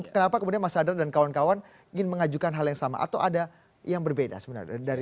kenapa kemudian mas sadar dan kawan kawan ingin mengajukan hal yang sama atau ada yang berbeda sebenarnya dari